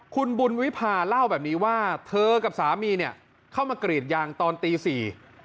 คุณบุญวิภาเล่าแบบนี้ว่าเธอกับสามีเข้ามาเกรดยางตอนตี๔